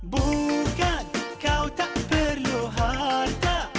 bukan kau tak perlu harta